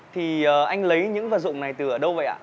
thì anh lấy những vật dụng này từ ở đâu vậy ạ